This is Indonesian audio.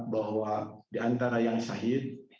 bahwa diantara yang syahid